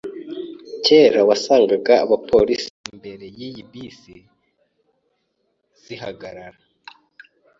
Kera wasangaga abapolisi imbere yiyi bisi zihagarara.